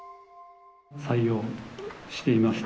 採用していました